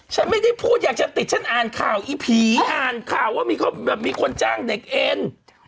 ฉันไม่ได้พูดอยากจะติดฉันอ่านข่าวอีผีอ่านข่าวว่ามีคนแบบมีคนจ้างเด็กเอ็น